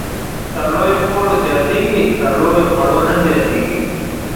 تر لويو کورو زياتېږي ، تر لويو خړو نه زياتېږي